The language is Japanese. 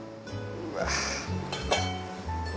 うわ。